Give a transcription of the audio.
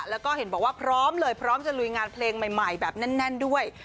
แล้วก็เห็นบอกว่าพร้อมเลยพร้อมจะลุยงานเพลงใหม่แบบแน่นด้วย